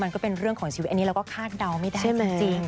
ก็เป็นเรื่องของชีวิตอันนี้เราก็คาดเดาไม่ได้จริง